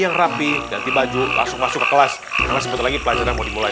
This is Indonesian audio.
yang rapi dan tiba tiba juga masuk ke kelas sebetulnya pelajaran mau dimulai